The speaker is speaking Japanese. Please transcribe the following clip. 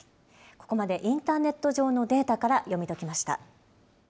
ここまでインターネット上のデータから読み解きました。